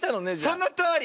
そのとおり。